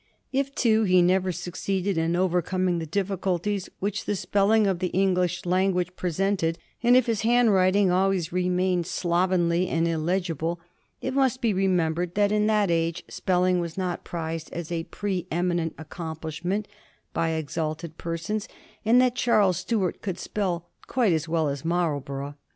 If, too, he never succeeded in over coming the difficulties which the spelling of the English language presented, and if his handwriting always remain ed slovenly and illegible, it must be remembered that in that age spelling was not prized as a pre eminent accom plishment by exalted persons, and that Charles Stuart could spell quite as well as Marlborough.